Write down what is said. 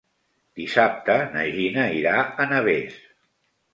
Dissabte na Gina irà a Navès.